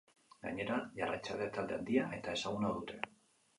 Gainera, jarraitzaile talde handia eta ezaguna dute.